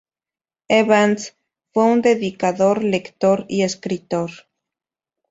Evans fue un dedicado lector y escritor.